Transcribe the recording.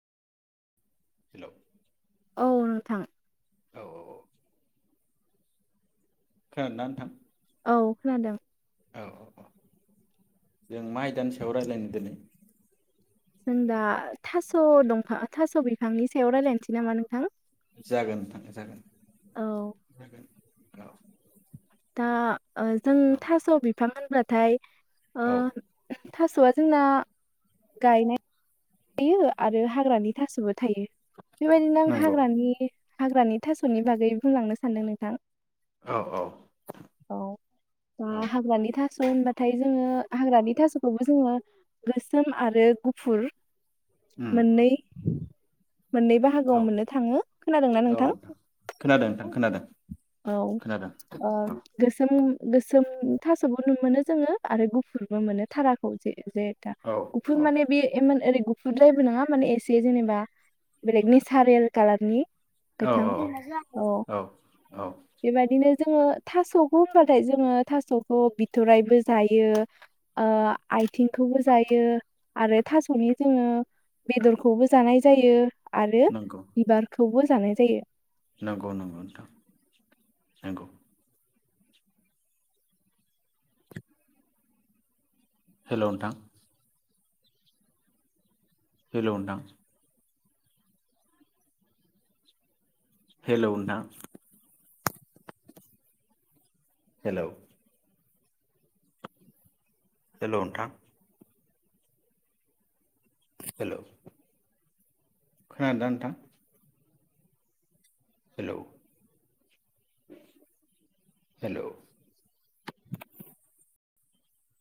हेल'। औ नोंथां। औ-औ-औ। खोनादों ना नोंथां? औ खोनादों। औ-औ-औ जों मा आयदानि सायाव रायज्लायनो दिनै? जों दा थास' दंफां थास' बिफांनि सायाव रायज्लायनोसै नामा नोंथां? जागोन नोंथां जागोन औ जागोन। औ। ओ-जों थास' बिफा होनब्ला। थाय। औ ओ- थास'आ जोंना, गायनाय थायो आरो हाग्रानि थास'बो थायो, बेबायदिनो आं नंगौ हाग्रानि हाग्रानि थास'नि बागै बुंलांनो सानदों नोंथां। औ औ औ औ दा हाग्रानि था स' होनबाथाय जोङो हाग्रानि थास'खौबो जोङो गोसोम आरो गुफुर। उम मोनै। मोननै औ बाहागोआव मोननो थाङो खोनादोंना औ नोंथां? खोनादों नोंथां खोनादों औ खोनादों ओ- औ गोसोम। गोसोम थास'बो नु मोनो जोङो आरो गुफुरबो मोनो थाराखौ जे। जा औ [unintelligible] माने बे [unintelligible] फुद्रायबो नङा माने एसे जेनेबा बेलेग नेचारेल कालारनि। औ गोथां औ औ बेबादिनो। जोङो थास'खौ होनबाथाय जोङो, थास'खौ बिथरायबो जायो, ओ-आथिंखौबो जायो, आरो थास'नि जोङो बेदरखौबो जानाय जायो। आरो नंगौ बिबारखौबो। जानाय जायो। नंगौ नंगौ नोंथां नंगौ। हेलौ नोंथां। हेलौ नोंथां। हेलौ नोंथां हेलौ हेलौ नोंथां हेलौ खोनादोना नोंथां? Hello hello